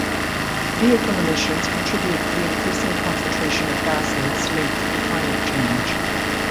Vehicle emissions contribute to the increasing concentration of gases linked to climate change.